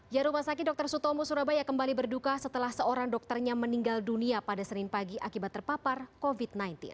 ya rumah sakit dr sutomo surabaya kembali berduka setelah seorang dokternya meninggal dunia pada senin pagi akibat terpapar covid sembilan belas